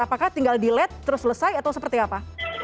apakah tinggal di lat terus selesai atau seperti apa